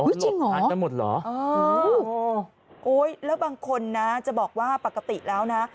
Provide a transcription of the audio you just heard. อุ๊ยจริงหรออ๋อโอ๊ยแล้วบางคนจะบอกว่าปกติแล้วนะ